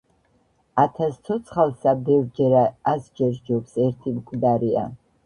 ათას ცოცხალსა ბევჯელა ასჯერ სჯობს ერთი მკვდარია.